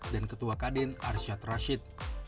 dan ketua kaden arsyad rashid